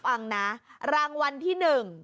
ฟังนะรางวัลที่๑